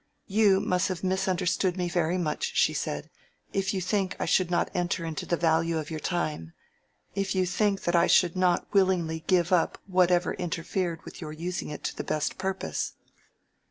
"You must have misunderstood me very much," she said, "if you think I should not enter into the value of your time—if you think that I should not willingly give up whatever interfered with your using it to the best purpose."